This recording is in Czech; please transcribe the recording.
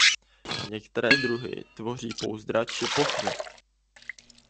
Některé druhy tvoří pouzdra či pochvy.